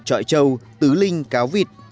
trọi trâu tứ linh cáo vịt